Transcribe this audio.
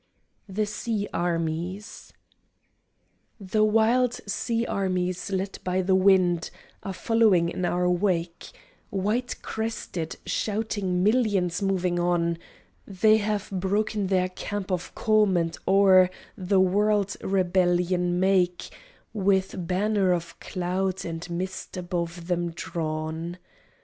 THE SEA ARMIES The wild sea armies led by the wind Are following in our wake, White crested shouting millions moving on. They have broken their camp of Calm and o'er The world rebellion make, With banner of cloud and mist above them drawn.